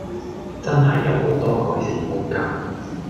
真係有好多改善空間